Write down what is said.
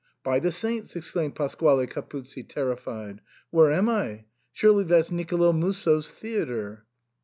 " By the saints !" exclaimed Pasquale Capuzzi, ter rified, where am I ? Surely that's Nicolo Musso's theatre."